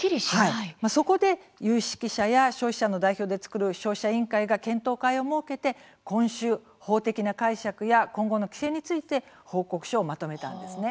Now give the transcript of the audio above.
そこで有識者や消費者の代表で作る消費者委員会が検討会を設けて今週法的な解釈や今後の規制について報告書をまとめたんですね。